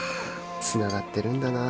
つながってるんだなあ